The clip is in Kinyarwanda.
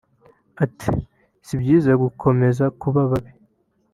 Ati “Si byiza gukomeza kuba babi